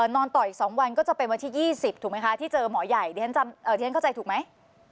นอนต่ออีก๒วันก็จะเป็นวันที่๒๐ถูกไหมคะที่เจอหมอใหญ่ที่ฉันเข้าใจถูกไหม